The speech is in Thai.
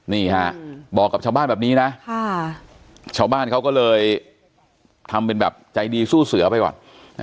นี่ฮะบอกกับชาวบ้านแบบนี้นะชาวบ้านเขาก็เลยทำเป็นแบบใจดีสู้เสือไปก่อน